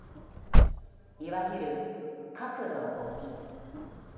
いわゆる核のごみ。